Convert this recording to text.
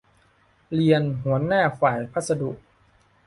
เรียน หัวหน้าฝ่ายพัสดุ